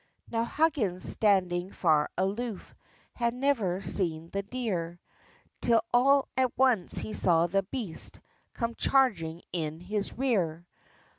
Now Huggins, standing far aloof, Had never seen the deer, Till all at once he saw the beast Come charging in his rear.